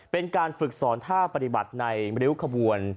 เป็นการฝึกสอนท่าปฏิบัติในริ้วขบวน